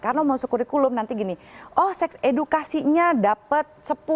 karena masuk kurikulum nanti gini oh seks edukasinya dapat sepuluh